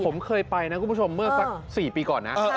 ผมเคยไปนะคุณผู้ชมเมื่อสัก๔ปีก่อนนะ